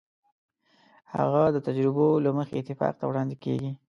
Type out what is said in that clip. هغه د تجربو له مخې اتفاق ته وړاندې کېږي.